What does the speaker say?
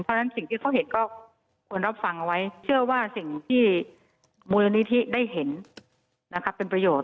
เพราะฉะนั้นสิ่งที่เขาเห็นก็ควรรับฟังเอาไว้เชื่อว่าสิ่งที่มูลนิธิได้เห็นเป็นประโยชน